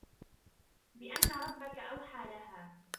بأن ربك أوحى لها